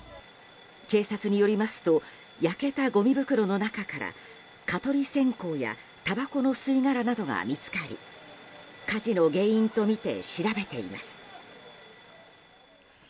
警察によりますと焼けたごみ袋の中から蚊取り線香やたばこの吸い殻などが見つかり火事の原因とみて調べています。